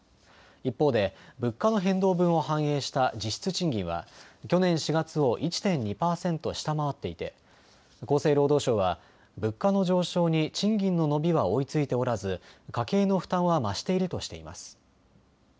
一方で物価の変動分を反映した実質賃金は去年４月を１．２％下回っていて厚生労働省は物価の上昇に賃金の伸びは追いついておらず家計の負担は増しているとしています。